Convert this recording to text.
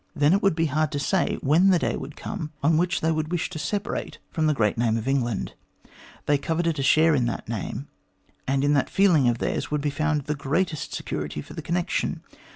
Then it would be hard to say when the day would come on which they would wish to separate from the great name of England. They coveted a share in that name, and in that feeling of theirs would be found the greatest security for the connection.